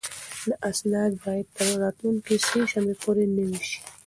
دا اسناد باید تر راتلونکې سه شنبې پورې نوي شي.